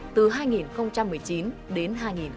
từ hai nghìn một mươi chín đến hai nghìn hai mươi